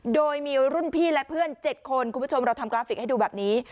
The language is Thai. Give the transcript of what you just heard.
โดยมีรุ่นพี่และเพื่อน๗คนคุณผู้ชมเราทำกราฟิกให้ดูแบบนี้